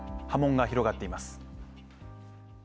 波紋が広がっています。